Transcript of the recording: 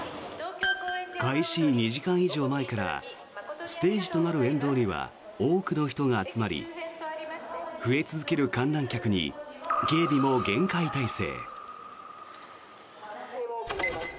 開始２時間以上前からステージとなる沿道には多くの人が集まり増え続ける観覧客に警備も厳戒態勢。